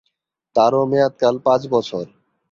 তারও মেয়াদকাল পাঁচ-বছর।